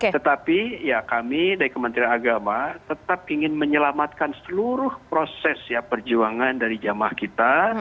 tetapi ya kami dari kementerian agama tetap ingin menyelamatkan seluruh proses ya perjuangan dari jamaah kita